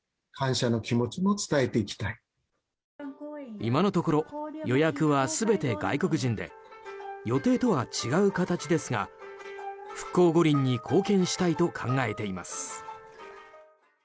今のところ予約は全て外国人で予定とは違う形ですが復興五輪に貢献したいと考えています。